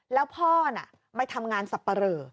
แล้วพ่อน่ะไปทำงานสับปะเหลอ